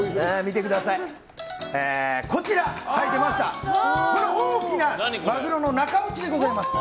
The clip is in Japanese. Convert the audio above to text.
こちら、この大きなマグロの中落ちでございます。